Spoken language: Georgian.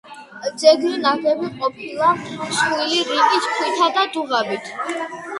ძეგლი ნაგები ყოფილა მსხვილი რიყის ქვითა და დუღაბით.